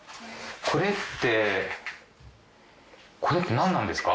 これってこれって何なんですか？